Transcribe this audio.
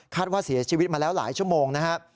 ว่าเสียชีวิตมาแล้วหลายชั่วโมงนะครับ